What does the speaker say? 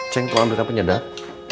ceng kau ambilkan penyedap